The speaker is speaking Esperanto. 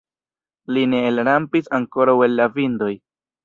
Li ne elrampis ankoraŭ el la vindoj.